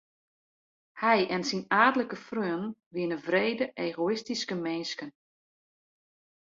Hy en syn aadlike freonen wiene wrede egoïstyske minsken.